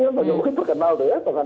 pak jokowi terkenal ya